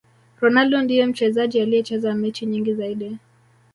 ronaldo ndiye mchezaji aliyecheza mechi nyingi zaidi